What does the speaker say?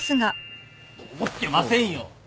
思ってませんよ！